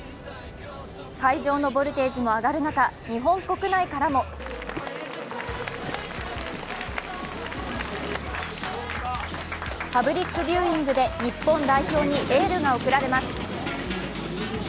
会場のボルテージも上がる中、日本国内からもパブリックビューイングで日本代表にエールが送られます。